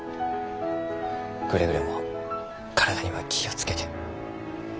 くれぐれも体には気を付けて。